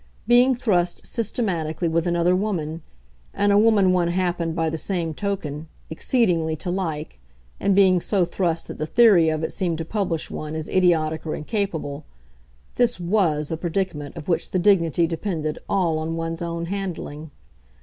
Being thrust, systematically, with another woman, and a woman one happened, by the same token, exceedingly to like, and being so thrust that the theory of it seemed to publish one as idiotic or incapable this WAS a predicament of which the dignity depended all on one's own handling.